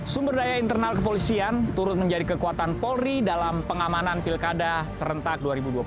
sumber daya internal kepolisian turut menjadi kekuatan polri dalam pengamanan pilkada serentak dua ribu dua puluh